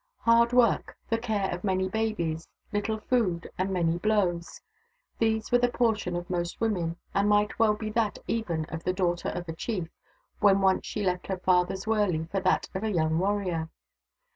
Hard work, the care of many babies, little food, and many blows : these were the portion of most women, and might well be that even of the daughter of a chief, when once she left her father's wurley for that of a young warrior.